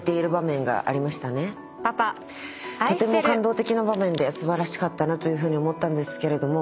とても感動的な場面で素晴らしかったなというふうに思ったんですけれども。